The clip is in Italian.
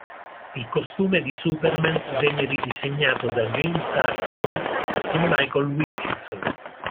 Il costume di Superman venne ridisegnato da James Acheson e Michael Wilkinson.